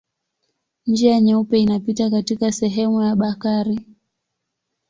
Njia Nyeupe inapita katika sehemu ya Bakari.